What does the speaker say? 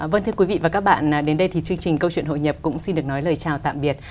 vâng thưa quý vị và các bạn đến đây thì chương trình câu chuyện hội nhập cũng xin được nói lời chào tạm biệt